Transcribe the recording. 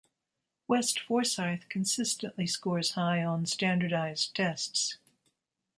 West Forsyth consistently scores high on standardized tests.